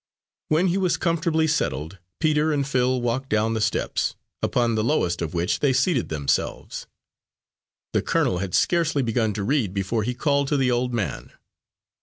When he was comfortably settled, Peter and Phil walked down the steps, upon the lowest of which they seated themselves. The colonel had scarcely begun to read before he called to the old man.